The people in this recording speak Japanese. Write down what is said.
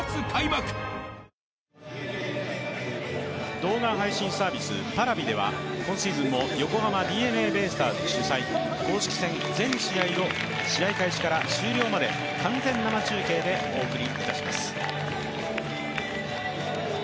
動画配信サービスＰａｒａｖｉでは、今シーズンも横浜ＤｅＮＡベイスターズ主催公式戦全試合を試合開始から終了まで完全生中継でお送りします。